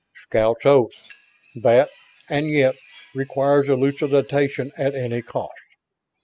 "Scout's Oath. That 'and yet' requires elucidation at any cost."